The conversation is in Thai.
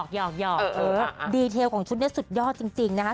หอกดีเทลของชุดนี้สุดยอดจริงนะคะ